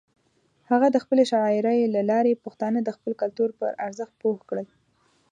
هغه د خپلې شاعرۍ له لارې پښتانه د خپل کلتور پر ارزښت پوه کړل.